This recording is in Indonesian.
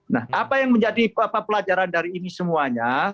nah apa yang menjadi pelajaran dari ini semuanya